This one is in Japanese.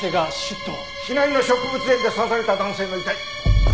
市内の植物園で刺された男性の遺体。